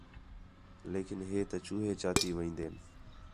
لیکن ہِے تا چوہے چاتی وین٘دِن